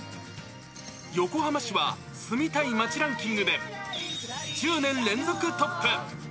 横浜市は、住みたい街ランキングで、１０年連続トップ。